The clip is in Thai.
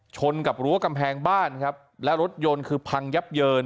ชนกับรั้วกำแพงบ้านครับและรถยนต์คือพังยับเยิน